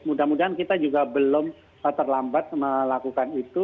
mudah mudahan kita juga belum terlambat melakukan itu